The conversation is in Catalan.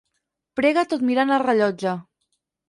Prega tot mirant el rellotge.